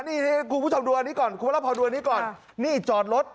นี่ให้คุณผู้ชมดูอันนี้ก่อนคุณพระพรดูอันนี้ก่อนนี่จอดรถ